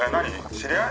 知り合い？